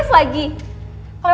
kelewatan banget sih lo rim